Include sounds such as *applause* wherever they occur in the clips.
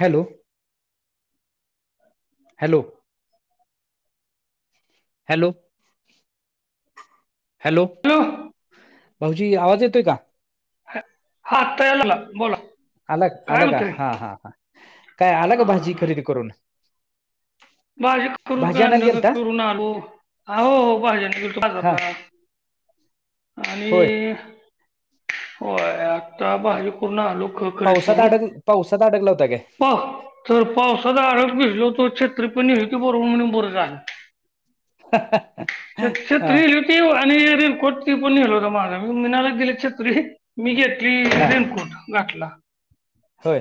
Hello. Hello hello. Hello भाऊजी आवाज येतोय का. हा तयार झाला बोला. अलग काय आलग म्हणतंय हा हा ह काय अलग हा भाजी खरेदी करून. भाजी करून भाजी आणायला का गेलता करून आलो हो हा भाज्यांनीजरला. होय आणि होय. आता भाज पूर्ण आलो खरेद पावसात करून. अडक पावसात अडकला होता काय तर पाव सदा अडग बसलो तो छ त्रप होती बरो म्हणून बर झालती. हा आणिे कोटती पण नेल होतता माझा मी मिनाला दिले छत तरी. मी घेतली हा रेनकोट गाठला. होय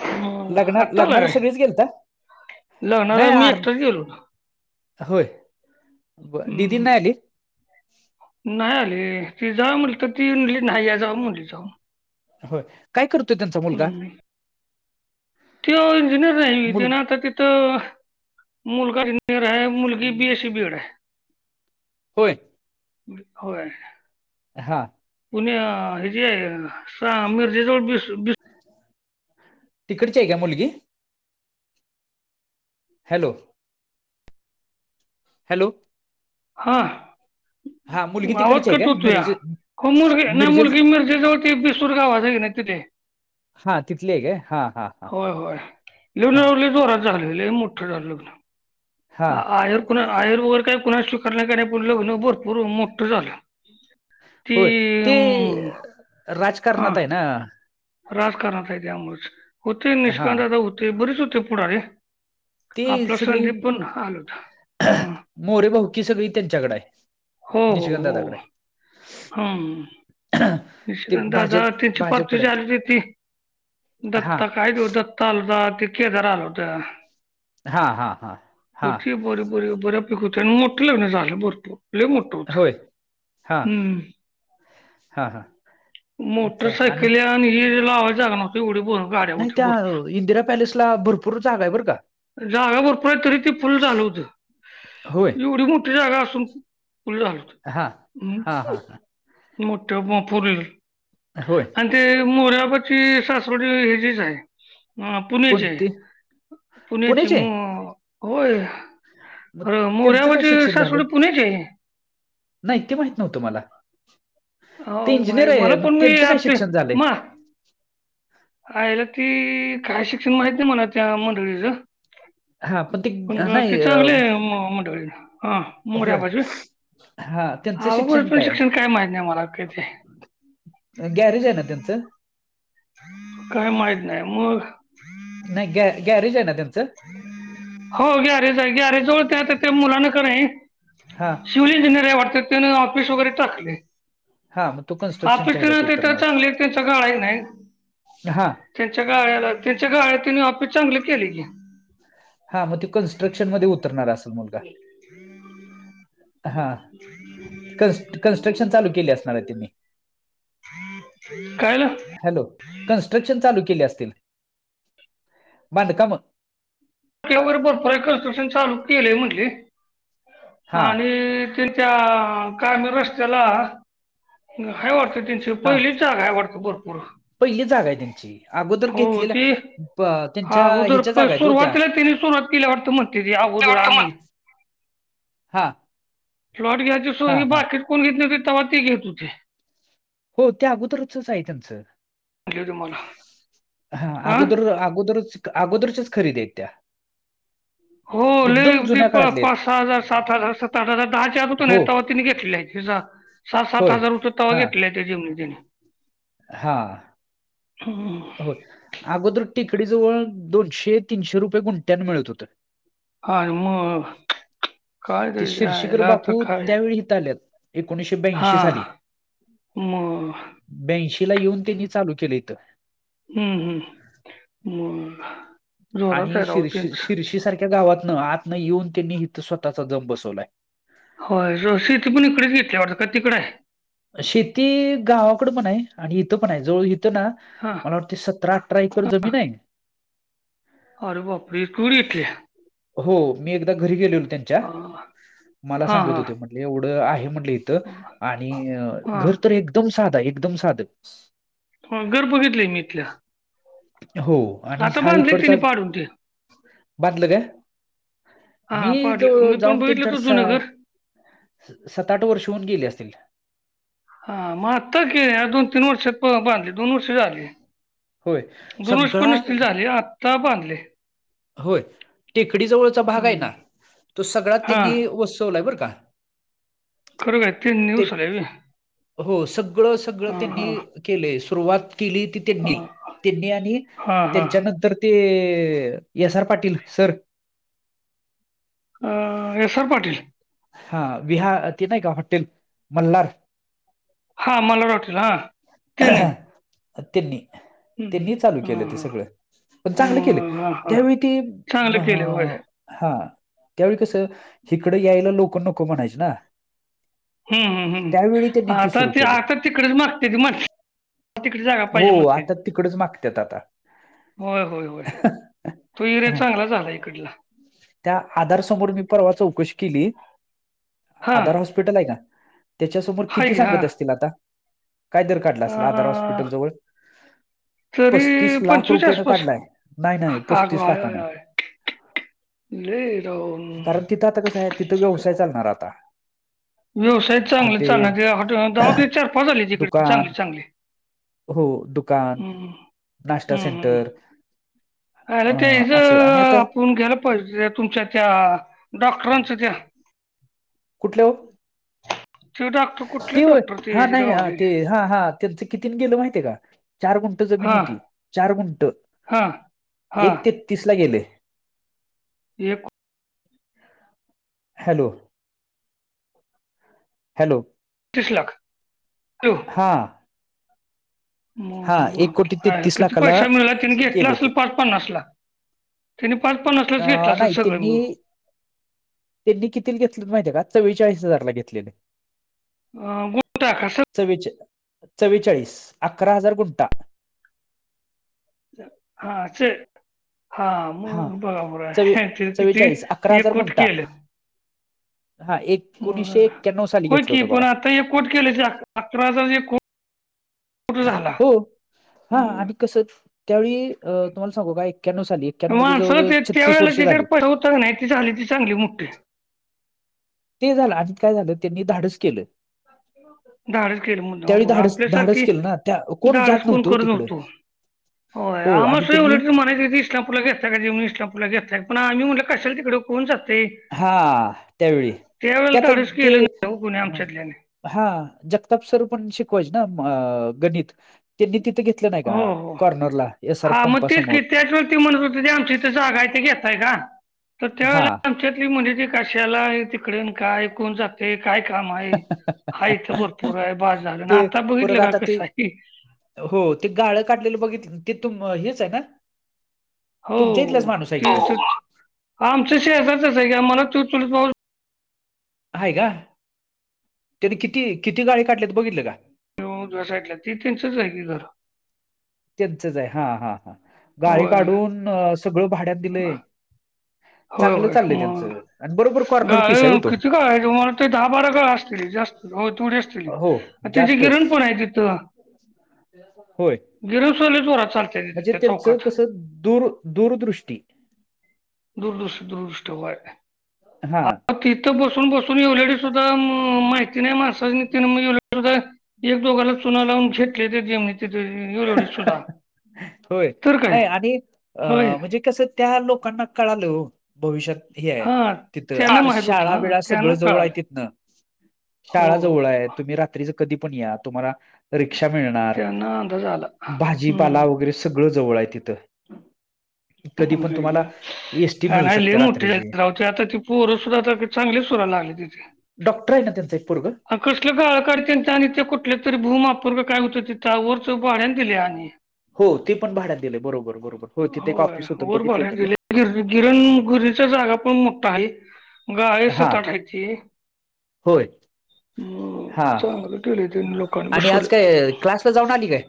हम. लग्ना आत्ता आला काय? *unintelligible* नाही लोणावल्या मी आर एकटाच गेलो होतो. होय. ब दिदी हम्म. नाही आली? नाही आली. ती जा म्हटली तर ती म्हणली नाही या म्हणली या जाऊ होय. काय करतोय त्यांचा मुलगा? हं. त्यो इंजिनियर नाही वय? मुल तेन आता तिथं मुलगा *unintelligible* मुलगी बी. ए. सी. बी एड आहे. होय होय. हा. पुन्या हेजे सा मिरजेजवळ बीसु-बीसु तिकडची आहे काय मुलगी? हॅलो. हॅलो. हा. हा मुलगी आवाज तिकडची आहे कट काय हुतूया. मिरजे हो मुरगी, नाइ मिरजेच मुलगी मिरजे जवळ ते भीसुर गावत हाय कनी दिल्या. हा. तितली हाय काय? हा हा. हा होय होय. *unintelligible* हा जोरात झाल. लय मोठ झाल लग्न. हा आयर कुणा आयर वगैर काय कुणाच स्वीकारलं नाही पन लग्न भरपूर मोठं झालं. ती होय. ते म हा. ह. राजकारणात आहे त्यामुळच होते हां. निष्कांतदा होते बरेच होते पुढारे ती आपला संदीप पण आला हुता. हा. मोरे भाऊकी सगळी त्यांच्याकड आय. हो हो हो. हम. आहे. ते भाजप भाजपकडे आहेत. *unintelligible* हां, दत्ता काय तो दत्त त्त आलता, तो केदार आला होता. हा-हा-हा-हा. *unintelligible* बऱ्या पैकी होत अन मोट लग्न झालं भरपूर. लय मोठ होत. होय. हम. हा हा. चाल सायकल्या आणि हि लावाय जागा नव *unintelligible* नाही त्या इंदिरा पॅलेसला भरपूर जागा आहे. बरं का. जागा भरपूर हाय तरी ते फुल झाल हुत. होय. एवढी मोठ टी जागा असून फुल झाल होत. हां. हां, हां, हां. मोठ म फुर व्हीलर होय. ते *unintelligible* सासवडी हेजीच हाय. आ प पुण्याची हाय कोणती? पुण्याची म होय. मग अ त्यांचं मोऱ्याबा काय ची शिक्षण झालंय? सासवडी पुण्याची हाय. नाही. ते माहित नव्हतं मला. ते हो इंजिनियर माय मला आहेत. पण मी त्यांचं काय आपली शिक्षण झालंय? आयला, ती काय शिक्षण माहित नाही मला त्या मंडळीचं हा. पण ती पण ग ते चांगले आय म मंडळी ला हा मोऱ्या होय बाजू वय? हा त्यांचं *unintelligible* शिक्षण आहे काय माहत नाही मला काही ते गॅरेज आहे ना त्यांचं? काय माहीत नाही मग नाही गॅ-गॅरेज आहे ना त्यांचं? हो गॅरेज आहे. गॅरेजवळ त्या आता त्या मुलांन कणी हा. सिव्हिल इंजनिअर हाय वाटत. तेन ऑफिस तेन टाकलय. हा मग तो कन्स्ट्रक्शनच्या ह्याच्यात आपकडं ते तिथं उतरणार असेल. चांगली तेचा गाळा हाय क नाय हा त्यांच्या गाळ्याला त्यांच्या गाळ्या त्यांनी ऑफिस चांगल केल की हा म ते कन्स्ट्रक्शन मध्ये उतरणार असल मुलगा हा *unintelligible* कन्स्ट्रक्शन चालू केली असणार हाय त्यांनी कायला हॅलो कन्स्ट्रक्शन चालू केले असतील बांधकाम त्यावर बपरय कन्स्टकशन चालू केलय म्हटली हा आणि त्याच्या काय म रस्त्याला हाय वाटत. त्याची हा पहिलीचं जागा हाय वाटत भरपूर पहिली जागा आहे त्यांची अगोदर हो घेतलेल्या ती प त्यांच्या ह्याच्या जागा आहेत हो त्या परत त्यांनी सुरवात केले वाटत म्हणती ती ते अगोदर वाटतं मग आम्ही हा फ्लॉट घ्यायची हा सोयी हा बाकी कोण घेत नव्हत तवा ते घेत होते. हो ते अगोदरचच हाय त्यांचं म्हटले होते मला हा अगोदर अगोदरच अगोदरच्याच खरेदी आहेत त्या हो लय एकदम ती जुन्या पा काळातले आहेत. पाचसहा हजार सात हजार सत आठ हजार दहाच्या आता होत्या नय हो, तवा त्यांनी घेतलेल्या आहेत हे जा सहा सात होय. हजार होते तवा घेतल्या त्या जिमीनी त्यांनी हा हम्म. हो अगोदर टेकडी जवळ दोनशे तीनशे रुपये गुंट्यांना मिळत होत. आणि मग काय ते त्याची शिर्षीकर आयला आता बापू काय त्यावेेळी इथं आल्यात एकोणीसशे ब्याऐंशी साली म ब्यांऐशी ला येऊन त्यांनी चालू केलं इथं हम्म हम्म म आणि शिर्शी शिर्शी सारख्या गावात न आत न येऊन त्यांनी इथं स्वतःचा जम बसवलाय. होय ज शेती पण इकडेच घेतली वाटतं का तिकड हाय शेती गावाकड पण हाय आणि इथं पण हाय जवळ इथं ना हा मला वाटते सतराअठरा एकर जमीन हाय. अरे बाप रें! *unintelligible* घेतले. मी एकदा घरी गेलेलो त्यां च्या हा मला सांगत हा होते म्हटलं एवढ आहे म्हटलं इथं आणि अ हा घर तर एकदम साधा हाय एकदम साधं ह घर बघितलंय मी इथल्या हो आणि आता हा बांधले त्यांनी पाडून इकडचाचं ते बांधलं काय मी हा पाडले ज मी पण जाऊन बघितलं तो त्यांच्याकडं सा जुनं घर सत आठ वर्ष होऊन गेली असतील. हा मग आता की या दोन तीन वर्षात प बांधले दोन वर्षाच्या आधी होय दोन वर्ष पण सगळा नसतील झाले आता बा होय टेकडी जवळचा भाग हाय हम्म ना तो सगळ्या हा त्यांनी वसवलाय बरं का खरं व्हयकून ते नुस आलाय व्हय हो सगळं सगळं हां त्यांनी हां अ केले सुरुवात केली ती त्यांनी त्यांनी आणि हां हां त्यांच्यानंतर ते S R Patil sir S R Patil. हा विहा ते नाय का हॉटेल मल्हार हां मल्हार पाटील हां त्याने अ त्यांनी हम्म, त्यांनी चालू केलं हां ते हां सगळ पण चांगले केले मग हां हां त्यावेळी ते चांगलं नं केलं होय हं हा त्यावेळी कसं हिकडं यायला लोक नको म्हणायचं ना हूं हूं त्यावेळी त्यांनी हूं आता सुरू ते केलं आता तिकडेच मागतेत मग हो आता तिकडच मागत आता होय होय होय तो इर्या हा. चांगला झाला इकडला त्या आधार समोर मी पर्वा चौकशी केली हां आधार हॉस्पिटल आहे का त्याच्यासमोर हाय किती की हां सांगत असतील आता काय दर काढलं असल आधार अं, हॉस्पिटल जवळ पस्तीस तरी लाख पंचवीसच्या रुपयेन आसपास. काढलाय नाही नाही पस्तीस लाखानं ल राऊ कारण तिथं आता कसं आहे तिथं व्यवसाय चालणार आता व्यवसाय चांगला हॉटेल, चांगला तेॉ धवाके चार पाजले तिकडे चांगले दुकान चांगले हो दुकान ् नाश्ता सेंटर अ तेच असं आणि आता आपण ग्याला तुमच्या त्या डॉक्टरांच त्या कुठले हो तेवडाक् ते हा नाही ते हा हा त्यांचं कितीने गेलं माहिितय का चार गुंट जमीन हां होती चार गुंट हां हां एक तेतीस ला गेले एक हॅलो हॅलो तस लाख टू हां हां, म किती लाखाला पैसा मिळाला तने घेतला गेलं ते. असल पाच पन्नासला त्यांनी पाच पान् असलाच घेतला अ, असेल नाही सगळं त्यांनी मिळून त्यांनी किती घेतले माहितीय का चव्वेचाळीस हजारला घेतलेले अ गोटा ख च्वे चव्वेचाळीस अकरा हजार गुंटा हा स हा हां, मग बघा म चव्वे चिकीची एक गुंठा. कुटकी आली हा एकोणीसशे एक्याण्नव साली घेतल होतं बघा हे कोच केले अकरा को हो हा मग आणि कस त्यावेळी अ तुम्हाला सांगू का ए्याण्व साली एक्क्याण्णव म्हणजे माणस जवळ-जवळ ते त्या वेळेला वर्ष त्याच्या झाली. पै होत नाही ती झाली ती चांगली मोठी ते झालं आणिध काय झालं त्यांनी धाडस केलं धाडस केली म्हणे हो त्यावेळी बर धाडस धाडस आपल्यासारखी केलं ना त्या धाडस जात कोण नव्हतं हो तिकडं. करतवतो हो होम आणि स त्यांनी उलाट म्हणाय ततीस स्टॅ्पला घेतता का जेवन स्टम्पला घेतताय पण आम्हीटलं कशाला तिकडे कोण जाते हा त्यावेळी त्यावेळेला त्यात धाडस ते केलं नाही हो कोणी आमच्यातल्याने हा जगताप सर पण शिकवायचे ना गणित त्यांनी तिथे घेत नाही का हो हो कॉर्नरला या सर् पंप समोर आम जागाय ते घेतताय का तर हां. त्या म्ह ज काशाला आहे तिकडे काय कोण जात ते काय काम आहे हाथ भरपूर आहे बाजार ना ते आता परत बघितलं का आता ते कसं आहे हो ते गाळं काढलेलं बघितलं ते तुम हेच आहे ना हो तुमच्या इथलाच माणूस आहे की ते तो? हो आमच्या शहजातच आहे की आम्हाला त पाऊ आहे का त्याने किती किती गाळे काढल्या तर बघितलं का सा ती त्यांचच जाय क घर त्यांचच आहे हा हा हा गाळी होय काढून सगळं भाड्यात दिलंय होय चांगलं होय चाललंय त्यांचं आणि बरोबर मग कॉर्नर पीस आहे हो ग तो किती काय आहे तुम्हाला दहा बारा काळा असतील जास्त हो तेथवढ असतील हो त्याची जास्तच किरण पण आहे तिथं होय गिरीश सलीच जोरात चालतयऽ म्हणजे ते ज,, कसं दूर, ऽ दूरदृष्टी दुरदृष्ट, दुर्दृष्ट व्हय. हा तिथं बसून, बसून एवलेडी सुद्धा माहिती नाही, मानसासनि तीन मधील एक दोगा सनी चुना लावून घेटलीती जमणी नि एवढ, एवढ सुद्धा. होय, तर काय नाही आणि होय अ.. म्हणजे कसं त्या, लोकांना कळालं ओ भविष्यात हे हाय, हा तिथं त्यांना आता माहित होतं शाळा हा बिळा सगळं त्यांना जवळ हाय कळालं तिथनं. हो हो शाळाजवळं हाय, तुम्ही रात्रीच कधी पण या, तुम्हाला रिक्षा मिळणार, त्यांना अंदाज आला हम्म, भाजीपाला वगैरे सगळं जवळ हाय तिथं. कधी पण तुम्हाला एसटी का मिळू नाही लई शकते मोठी रात्रीची. झाली राव ते आता ती पोर सुद्धा चांगली सुरायला लागली तिथं. डॉक्टर आहे ना त्यांचं एक पोर्ग? कसलं गाळ काढत, आणि ते कुठलं तरी भूमापूर्व काय होतं तिथ वरच भाड्या दिल्या आणि. हो,, ते पण भाड्यात दिलय, बरोबर, बरोबर हो तिथे ऑफीस होतं बघितलं होतं मी. गिरण, गुरीणीचा जागा पण मोठा हाय, गाळे सत- हां. आठ हायती. होय, हम्, हां चांगलं केलय त्यांनी लोकांनी आणि आज बसवलंय. काय क्लासला जाऊन आली काय?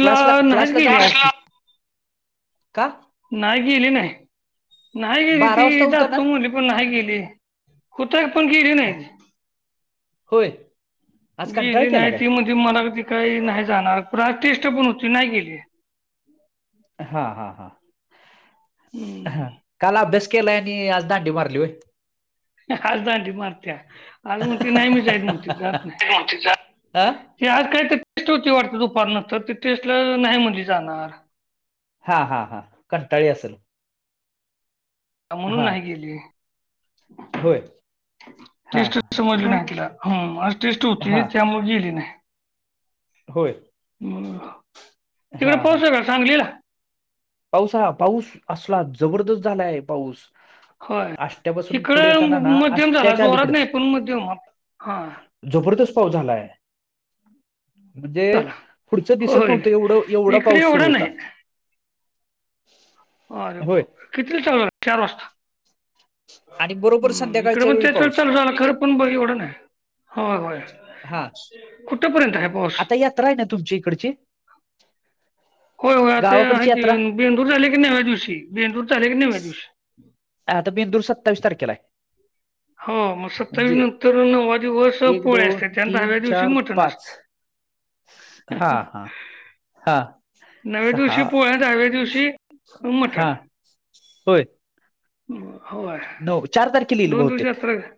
क्लासला नाहीच क्लासला गेली जाऊन आज ती आ का? नाही, गिली नाही. नाही गेली बारा वाजता ती उतरणार जातो म्हणली पण नाही गेली, होताक पण गेली अह, नाही. होय, आज ती कंटाळा गेली केला नाही काय? ती म्हणाली मी काय नाही जाणार, पण आज टेस्ट पण होती नाही गेली. हा हा हा हम्म. हा काल अभ्यास केलाय आणि आज दांडी मारली व्हय. आज दांडी मारत्या, आज म्हणतुय नाही मी जाईत म्हनतूय, जात नाही. हा ते आज काही तर टेस्ट होती वाटत दुपारनंतर, ते टेस्ट ला नाही म्हणली जाणार. हा, हा, हा कंटाळली असल. म्हणून नाही गेली. होय हा टेस्ट जा म्हंटलं, आज टेस्ट होती हा त्यामुळे गेली नाही. होय तिकडं हा हा पाऊस हाय का? सांगलीला. पाऊस हा पाऊस असला जबरदस्त झालाय पाऊस होय आष्ट्यापासून पुढे इकडं येताना ना, म- मध्यम झाला आष्ट्याच्या जोरात अलीकडं नाही पण मध्यम आपला हा जबरदस्त पाऊस झालाय. म्हणजे, झाला पुढचं दिसत होय नव्हतं एवढं, एवढा इकडे पाऊस सुरू एवढा होता. नाही अरे बाप होय रे! कितीला चालू झाला चार वाजता. आणि बरोबर हम्म इकडे संध्याकाळच्या पण वेळी ते तर पाऊस चाल झालं खरं पण ब एवढं नाही व्हय व्हय हां, कुठपर्यंत हाय पाऊस? यात्रा आहे ना तुमच्या इकडची. होय, होय, आता हाय गावाकडची की, यात्रा बेंदुर झाला की नवव्या दिवशी, बेंदुर झाला की नवव्या दिवशी. आता बेंदूर सत्तावीस तारखेला आहे. हो, मग सत्तावीस म्हणजे नंतर नव्वा दिवस एक पोळ्या दोन असत्याता, अन तीन दहाव्या दिवशी चार मटण पाच असतय. हा, हा, हा नव्या सहा दिवशी पोळ्या दहाव्या दिवशी मटण. हा होय होय नऊ चार तारखेला येईल दोन दिवस बहुतेक यात्रा हाय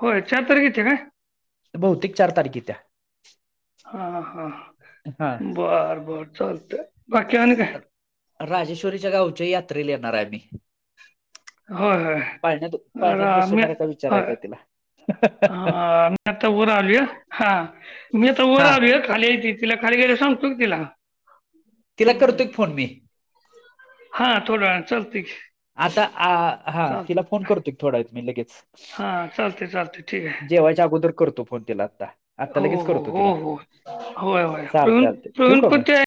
होय, चार तारीख ईत्या काय? बहुतेक चार तारीख ईत्या. हा हा हा बरं बरं चालतय बाकी काय? राजेश्वरीच्या गावच्या यात्रेला येणार आम्ही हय पाळण्यात हम बसवणार का विचारायचं आहे तिला हा मी आता उर आलोय हा मी तर उर हा आलोय खाली तिला खाली गेला सांगतो क तिला तिला करतोय फोन मी हा थोडा चलते आता हा तिला फोन करतो थोडा मी लगेच ओके चालतंय ठीक आहे जेवायच्या अगोदर करतो फोन तिला आता आता हो, लगेच हो, करतो हो, तिला हो. होय, होय. चाल प्रवीण चालत ठेवक प्रवीण पण म ते